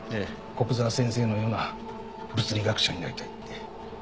古久沢先生のような物理学者になりたいって。